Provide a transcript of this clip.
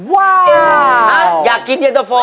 ว้าวฮะอยากกินเย็นเตอร์โฟ